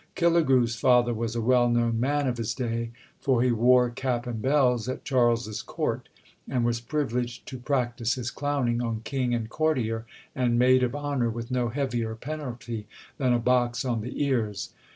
Killigrew's father was a well known man of his day, for he wore cap and bells at Charles's Court, and was privileged to practise his clowning on King and courtier and maid of honour with no heavier penalty than a box on the ears.